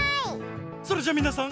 それじゃみなさん